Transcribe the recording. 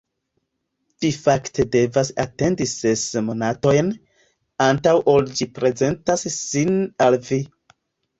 Vi fakte devas atendi ses monatojn, antaŭ ol ĝi prezentas sin al vi.